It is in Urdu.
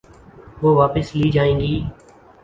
وہ واپس لی جائیں گی۔